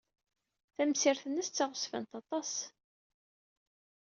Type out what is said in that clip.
Tamsirt-nnes d taɣezfant aṭas.